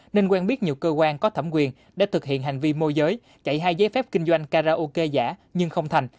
nên quen biết nhiều cơ quan có thẩm quyền để thực hiện hành vi môi giới chạy hai giấy phép kinh doanh karaoke giả nhưng không thành